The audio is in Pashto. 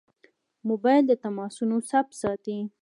موبایل د تماسونو ثبت ساتي.